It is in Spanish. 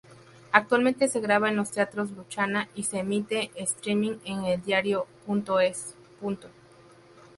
Actualmente se graba en los Teatros Luchana y se emite en streaming en eldiario.es.